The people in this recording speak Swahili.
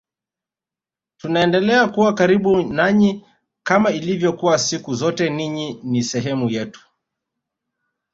Tunaendelea kuwa karibu nanyi kama ilivyokuwa siku zote ninyi ni sehemu yetu